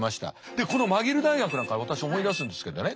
このマギル大学なんか私思い出すんですけどね